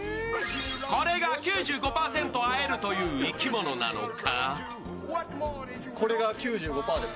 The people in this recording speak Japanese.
これが９５％会えるという生き物なのか？